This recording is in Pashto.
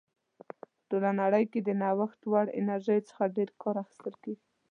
په ټوله نړۍ کې د نوښت وړ انرژیو څخه ډېر کار اخیستل کیږي.